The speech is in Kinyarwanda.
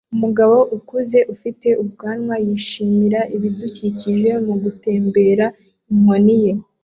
Umugabo ukuze ufite ubwanwa yishimira ibidukikije mugutembera inkoni ye